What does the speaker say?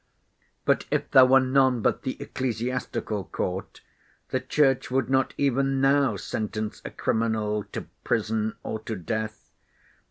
"But if there were none but the ecclesiastical court, the Church would not even now sentence a criminal to prison or to death.